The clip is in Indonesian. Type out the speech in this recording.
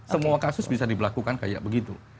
semua kasus bisa diberlakukan kayak begitu